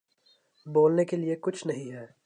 بولنے کے لیے کچھ نہیں ہے